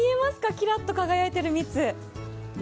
キラッと輝いている蜜。